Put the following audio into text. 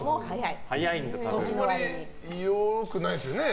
あまりよろしくないですよね。